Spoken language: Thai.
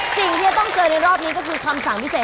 สิ่งที่จะต้องเจอในรอบนี้ก็คือคำสั่งพิเศษ